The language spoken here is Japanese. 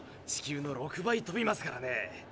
地球の６倍飛びますからね